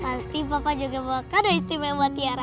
pasti papa juga bawa kado istimewa tiara